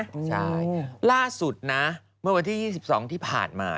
ใช่ล่าสุดนะเมื่อวันที่๒๒ที่ผ่านมา